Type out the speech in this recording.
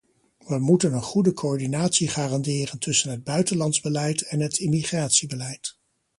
We moeten een goede coördinatie garanderen tussen het buitenlands beleid en het immigratiebeleid.